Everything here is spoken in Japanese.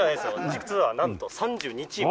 実はなんと３２チーム。